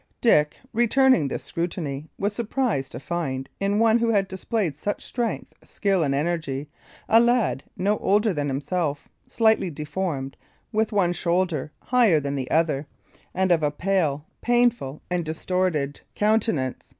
Dick, returning this scrutiny, was surprised to find in one who had displayed such strength, skill and energy, a lad no older than himself slightly deformed, with one shoulder higher than the other, and of a pale, painful, and distorted countenance.